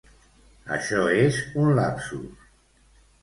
Això és un lapsus.